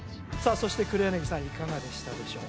そして黒柳さんいかがでしたでしょう？